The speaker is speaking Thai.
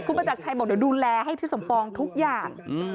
คุณประจักรชัยบอกเดี๋ยวดูแลให้ทิศสมปองทุกอย่าง